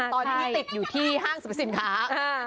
ตอนนี้ติดอยู่ที่ห้างสรรพสินค้า